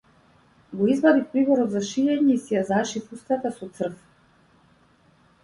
Го извадив приборот за шиење и си ја зашив устата со црв.